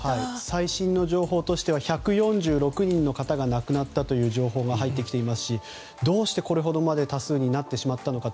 最新情報としては１４６人の方が亡くなったという情報が入ってきていますしどうして、これほどまでの多数になってしまったのか。